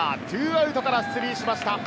２アウトから出塁しました。